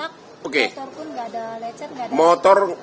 hp gak ada lecet gak ada retak